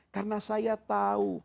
karena saya tahu